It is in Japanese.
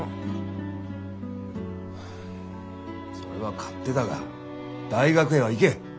それは勝手だが大学へは行け。